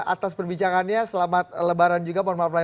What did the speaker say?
atas perbicaraannya selamat lebaran juga